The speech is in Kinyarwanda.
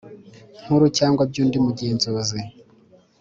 Nkuru cyangwa by undi mugenzuzi